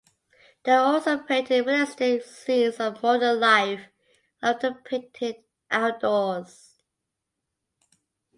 They also painted realistic scenes of modern life, and often painted outdoors.